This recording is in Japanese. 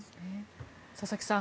佐々木さん